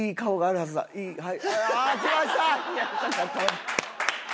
はい。